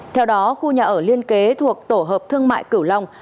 theo đó khu nhà ở liên kế thuộc tổ hợp thương mại cửu long